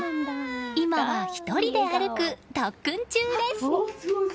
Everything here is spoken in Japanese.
今は１人で歩く特訓中です。